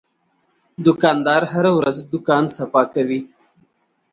دوکاندار هره ورځ دوکان صفا کوي.